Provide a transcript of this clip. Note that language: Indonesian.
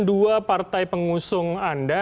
dua partai pengusung anda